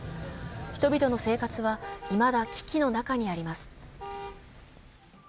人々の生活は、いまだ危機の中にあります。